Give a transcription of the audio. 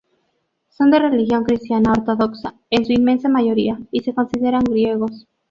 Son de religión cristiana ortodoxa en su inmensa mayoría y se consideran griegos.